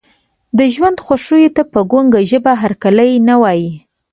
د ژوند خوښیو ته په ګونګه ژبه هرکلی نه وایي.